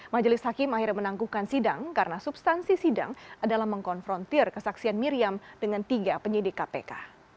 majelis hakim akhirnya menangguhkan sidang karena substansi sidang adalah mengkonfrontir kesaksian miriam dengan tiga penyidik kpk